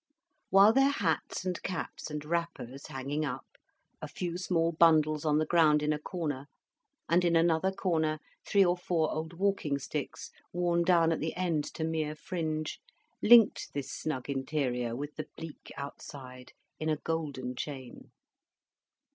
While their hats and caps and wrappers, hanging up, a few small bundles on the ground in a corner, and in another corner three or four old walking sticks, worn down at the end to mere fringe, linked this smug interior with the bleak outside in a golden chain.